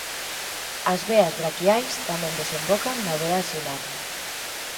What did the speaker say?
As veas braquiais tamén desembocan na vea axilar.